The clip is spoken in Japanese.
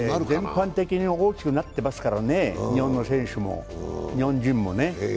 全般的に大きくなってますからね、日本人もね。